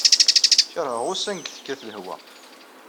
Kerheɣ ussan deg tekkat lehwa.